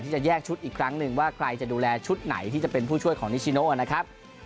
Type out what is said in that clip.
จะแยกชุดอีกครั้งหนึ่งว่าใครจะดูแลชุดไหนที่จะเป็นผู้ช่วยของนิชิโนนะครับ